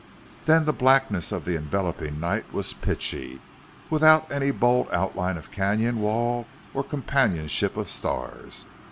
Then the blackness of the enveloping night was pitchy, without any bold outline of canon wall or companionship of stars.